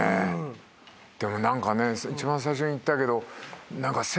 でも何かね一番最初に言ったけど。